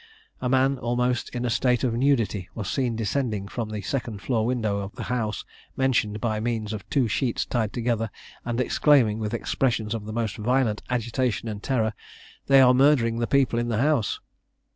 A man almost in a state of nudity was seen descending from the second floor window of the house mentioned by means of two sheets tied together, and exclaiming, with expressions of the most violent agitation and terror, "They are murdering the people in the house."